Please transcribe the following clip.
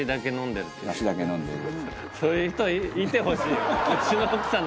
出汁だけ飲んでる。